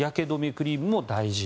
クリームも大事。